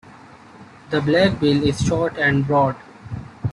The black bill is short and broad.